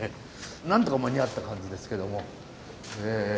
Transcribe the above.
なんとか間に合った感じですけども。